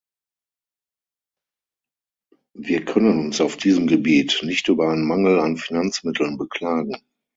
Wir können uns auf diesem Gebiet nicht über einen Mangel an Finanzmitteln beklagen.